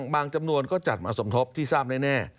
บางจำนวนก็จัดมาสมทบที่ทราบแน่